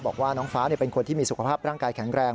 บอกว่าน้องฟ้าเป็นคนที่มีสุขภาพร่างกายแข็งแรง